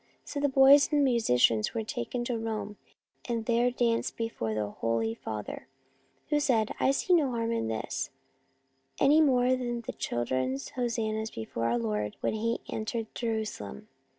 So the boys and the musicians were taken to Rome, and there danced before the Holy Father, who said, c I see no harm in this, any more than in the children's hosannas before Our Lord when He entered Jerusalem.